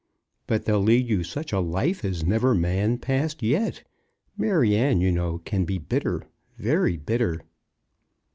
"But they'll lead you such a life as never man passed yet. Maryanne, you know, can be bitter; very bitter."